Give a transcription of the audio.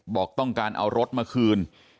บอกต้องการเอารถมาคืน